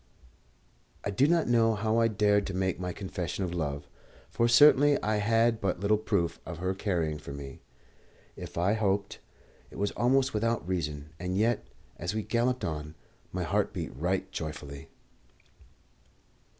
I do not know how I dared to make my confession of love, for certainly I had but little proof of her caring for me. If I hoped, it was almost without reason; and yet, as we galloped on, my heart beat right joyfully.